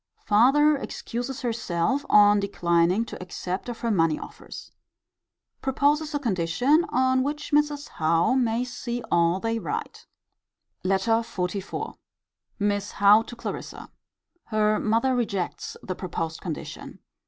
Farther excuses herself on declining to accept of her money offers. Proposes a condition on which Mrs. Howe may see all they write. LETTER XLIV. Miss Howe to Clarissa. Her mother rejects the proposed condition.